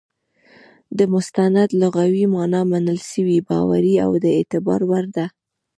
د مستند لغوي مانا منل سوى، باوري، او د اعتبار وړ ده.